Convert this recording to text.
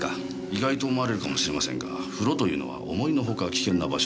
意外と思われるかもしれませんが風呂というのは思いのほか危険な場所です。